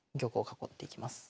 囲っていきます。